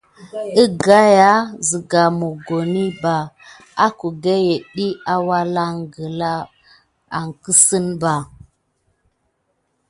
Əgaya siga mokoni bà akudekene dik awulan gala kisia ɗe.